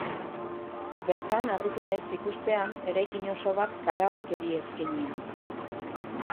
Bertan harritu naiz ikustean eraikin oso bat karaokeri eskainia.